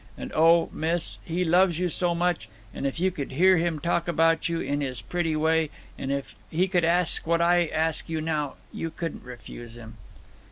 And O, miss, he loves you so much; and if you could hear him talk about you, in his pretty way, and if he could ask you what I ask you now, you couldn't refuse him.